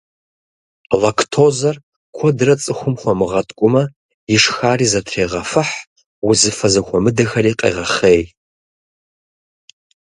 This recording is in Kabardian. Лактозэр куэдрэ цӀыхум хуэмыгъэткӀумэ, ишхари зэтрегъэфыхь, узыфэ зэхуэмыдэхэри къегъэхъей.